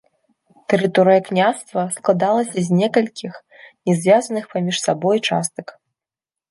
Тэрыторыя княства складалася з некалькіх не звязаных паміж сабой частак.